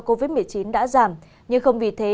covid một mươi chín đã giảm nhưng không vì thế